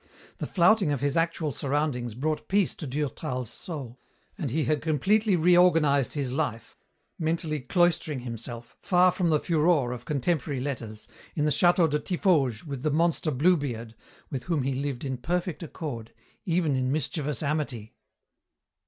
The flouting of his actual surroundings brought peace to Durtal's soul, and he had completely reorganized his life, mentally cloistering himself, far from the furore of contemporary letters, in the château de Tiffauges with the monster Bluebeard, with whom he lived in perfect accord, even in mischievous amity.